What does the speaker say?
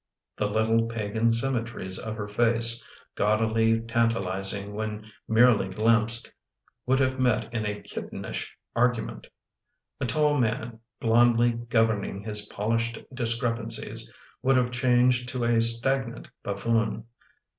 The little pagan symmetries of her face, gaudily tantalizing when merely glimpsed, would have met in a kittenish argument. A tall man, blondly governing his polished discrepancies, would have changed to a stagnant buffoon.